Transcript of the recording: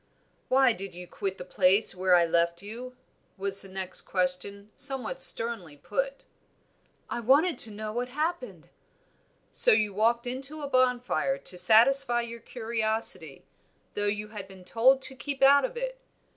"Why did you quit the place where I left you?" was the next question, somewhat sternly put. "I wanted to know what had happened." "So you walked into a bonfire to satisfy your curiosity, though you had been told to keep out of it?